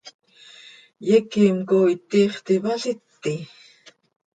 ¿Yequim cooit tiix tipaliti?